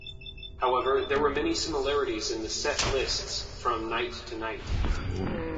However, there were many similarities in the set lists from night to night.